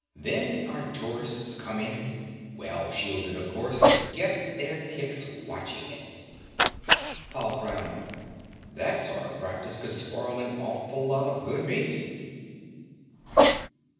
Then our tourists come in well shielded, of course and get their kicks watching it." Paul frowned. "That sort of practice could spoil an awful lot of good meat."